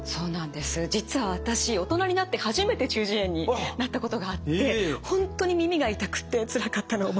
実は私大人になって初めて中耳炎になったことがあって本当に耳が痛くてつらかったのを覚えています。